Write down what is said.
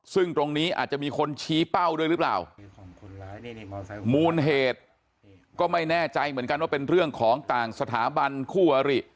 ซึ่งตรงนี้อาจจะมีคนชี้เป้าด้วยหรือเปล่ามูลเหตุก็ไม่แน่ใจเหมือนกันว่าเป็นเรื่องของต่างสถาบันคู่อริ